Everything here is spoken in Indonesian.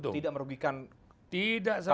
tidak sama sekali merugikan partai sama sekali